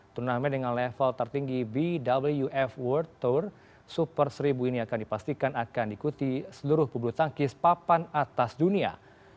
turnamen dengan level tertinggi bwf world tour super seribu ini akan dipastikan akan diikuti seluruh pebulu tangkis papan atas dunia